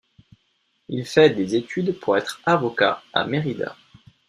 Il fait des études pour être avocat à Mérida.